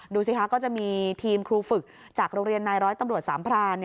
ดูสิคะก็จะมีทีมครูฝึกจากโรงเรียนนายร้อยตำรวจสามพราน